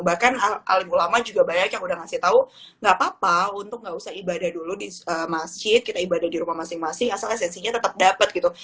bahkan alim ulama juga banyak yang udah ngasih tau nggak apa apa untuk nggak usah ibadah dulu di masjid kita ibadah dirumah masing masing asal esensinya tetep dapet gitu